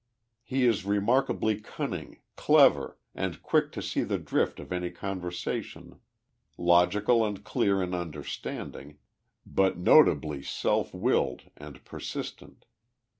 lie is remarkably cunning, clever, and quick to see the dritt of an}' conversation, logical and clear in understanding, but nota bly self willed and persistent.